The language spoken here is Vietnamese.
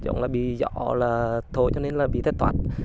giống như là bị dọ là thổi cho nên là bị tết toát